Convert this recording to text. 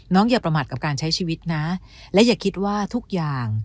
อย่าประมาทกับการใช้ชีวิตนะและอย่าคิดว่าทุกอย่าง